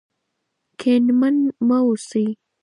کینمن مه اوسئ.